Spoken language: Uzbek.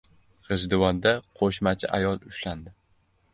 G‘ijduvonda qo‘shmachi ayol ushlandi